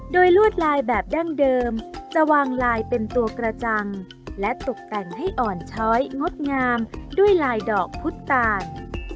โดยลวดลายแบบดั้งเดิมจะวางลายเป็นตัวกระจังและตกแต่งให้อ่อนช้อยงดงามด้วยลายดอกพุทธตาล